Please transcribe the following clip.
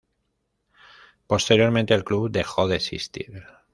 Posteriormente el club dejó de existir.